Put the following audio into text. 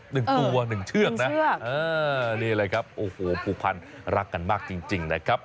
หนึ่งตัวหนึ่งเชือกนะนี่แหละครับโอ้โหผูกพันรักกันมากจริงจริงนะครับ